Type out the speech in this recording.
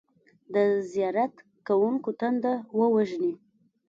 د زیارت کوونکو تنده ووژني.